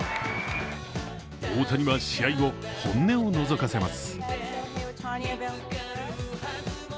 大谷は試合後本音をのぞかせます。